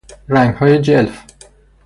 رنگهای جلف